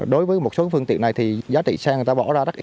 đối với một số phương tiện này thì giá trị xe người ta bỏ ra rất ít